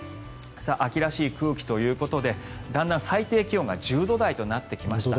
秋らしい空気ということでだんだん最低気温が１０度台となってきました。